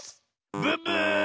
ブッブー！